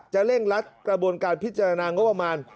เร่งรัดกระบวนการพิจารณางบประมาณ